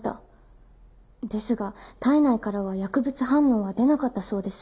ですが体内からは薬物反応は出なかったそうです。